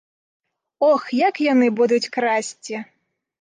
Ох, як яны будуць красці!